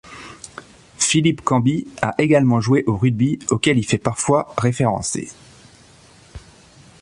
Philippe Cambie a également joué au rugby, auquel il fait parfois référencer.